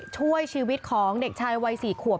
ช่วยชีวิตของเด็กชายวัย๔ขวบ